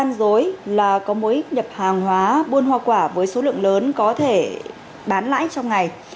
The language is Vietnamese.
đoán dối là có mỗi nhập hàng hóa buôn hoa quả với số lượng lớn có thể bán lãi trong ngày